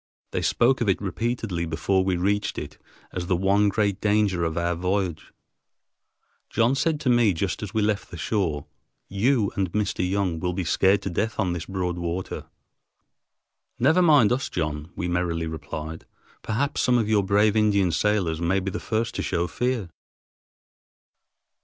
They spoke of it repeatedly before we reached it as the one great danger of our voyage. John said to me just as we left the shore, "You and Mr. Young will be scared to death on this broad water." "Never mind us, John," we merrily replied, "perhaps some of you brave Indian sailors may be the first to show fear."